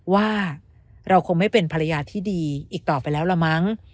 ว่าเราคงไม่เป็นภรรยาที่ดีอีกต่อไปแล้วละมั้ง